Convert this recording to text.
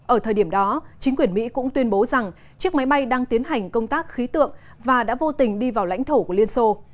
ở thời điểm đó chính quyền mỹ cũng tuyên bố rằng chiếc máy bay đang tiến hành công tác khí tượng và đã vô tình đi vào lãnh thổ của liên xô